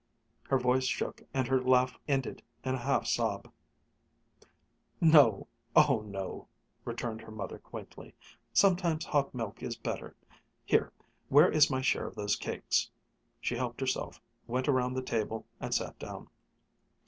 Her voice shook and her laugh ended in a half sob. "No oh no!" returned her mother quaintly. "Sometimes hot milk is better. Here, where is my share of those cakes?" She helped herself, went around the table, and sat down.